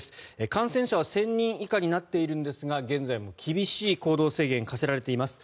感染者は１０００人以下になっているんですが現在も厳しい行動制限が課せられています。